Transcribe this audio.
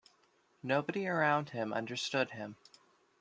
Nobody around him understood him.